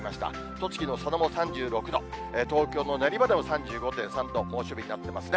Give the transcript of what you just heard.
栃木の佐野も３６度、東京の練馬でも３５．３度、猛暑日になってますね。